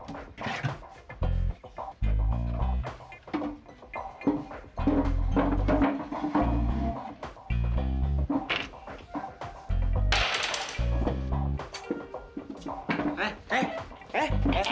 pak pak pak